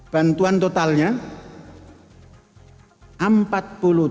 bantuan totalnya empat puluh tiga miliar rupiah